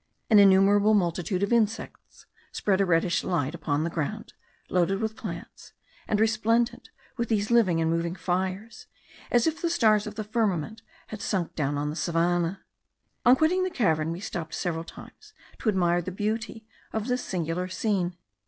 An innumerable multitude of insects spread a reddish light upon the ground, loaded with plants, and resplendent with these living and moving fires, as if the stars of the firmament had sunk down on the savannah. On quitting the cavern we stopped several times to admire the beauty of this singular scene.